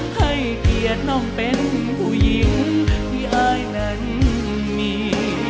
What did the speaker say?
ให้เกียรติน้องเป็นผู้หญิงที่อายนั้นมี